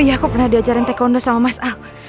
iya aku pernah diajarin taekwondo sama mas al